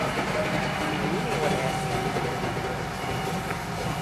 A junior Eb-n ötödik volt.